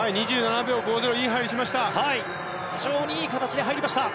２７秒５０いい入りをしました。